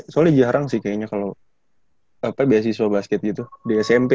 soalnya jarang sih kayaknya kalau beasiswa basket gitu di smp